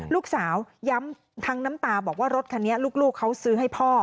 ลูกสาวย้ำทั้งน้ำตาบอกว่ารถคันนี้ลูกเขาซื้อให้พ่อ